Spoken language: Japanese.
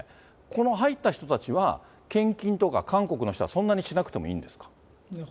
この入った人たちは献金とか、韓国の人はそんなにしなくてもいいんですか？